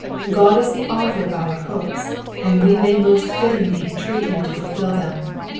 God is the author of our hopes, and we may most fittingly entreat him to fulfil them.